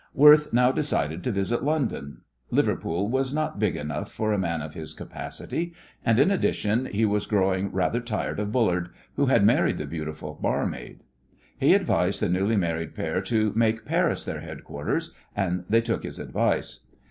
Worth now decided to visit London. Liverpool was not big enough for a man of his capacity, and, in addition, he was growing rather tired of Bullard, who had married the beautiful barmaid. He advised the newly married pair to make Paris their headquarters, and they took his advice.